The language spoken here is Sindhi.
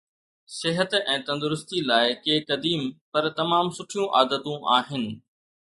صحت ۽ تندرستي لاءِ ڪي قديم پر تمام سٺيون عادتون آهن